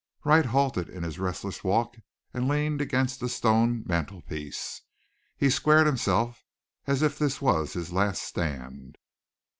Wright halted in his restless walk and leaned against the stone mantelpiece. He squared himself as if this was his last stand.